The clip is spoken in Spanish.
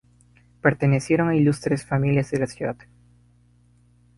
Pertenecieron a ilustres familias de la ciudad.